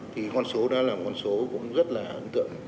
thì con số đó là một con số cũng rất là ấn tượng